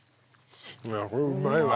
これうまいわ。